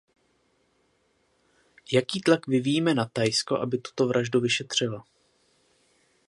Jaký tlak vyvíjíme na Thajsko, aby tuto vraždu vyšetřilo?